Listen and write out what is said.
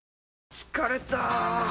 疲れた！